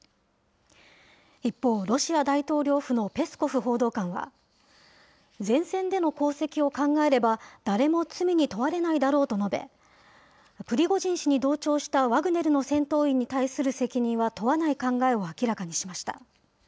一方、ロシア大統領府のペスコフ報道官は、前線での功績を考えれば、誰も罪に問われないだろうと述べ、プリゴジン氏に同調したワグネルの戦闘員に対する責任は問わない考えを明らかにしました。